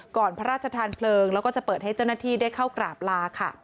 พระราชทานเพลิงแล้วก็จะเปิดให้เจ้าหน้าที่ได้เข้ากราบลาค่ะ